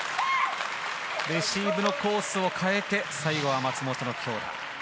レシーブのコースを変えて最後は松本の強打。